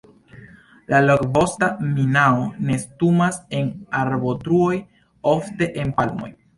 La Longvosta minao nestumas en arbotruoj, ofte en palmoj.